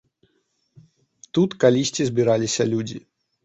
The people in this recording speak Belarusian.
Тут калісьці збіраліся людзі.